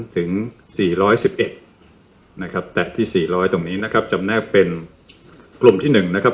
แต่ที่๔๐๐ตรงนี้นะครับจำแนกเป็นกลุ่มที่๑นะครับ